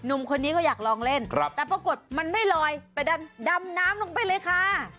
หนุ่มคนนี้ก็อยากลองเล่นแต่ปรากฏมันไม่ลอยไปดันดำน้ำลงไปเลยค่ะ